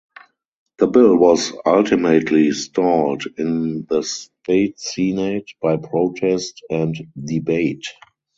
The bill was ultimately stalled in the State Senate by protest and debate.